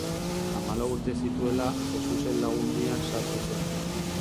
Hamalau urte zituela Jesusen Lagundian sartu zen.